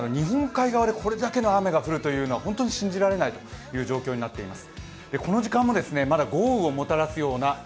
新潟県などの日本海側でこれだけの雨が降るというのは本当に信じられない状況になっています。